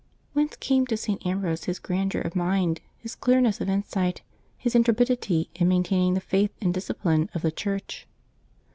— ^Whence came to St. Ambrose his grandeur of mind, his clearness of insight, his intrepidity in main taining the faith and discipline of the Church?